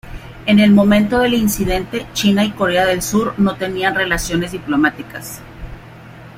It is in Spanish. En el momento del incidente, China y Corea del Sur no tenían relaciones diplomáticas.